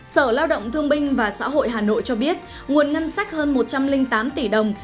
sở lao động thương binh và xã hội hà nội cho biết nguồn ngân sách hơn một trăm linh tám tỷ đồng